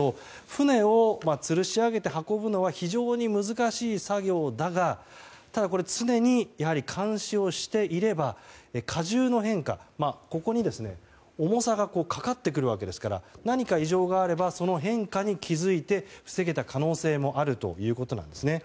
船をつるし上げて運ぶのは非常に難しい作業だがただ、常に監視をしていれば荷重の変化、ここに重さがかかってくるわけですから何か異常があればその変化に気づいて防げた可能性もあるということなんです。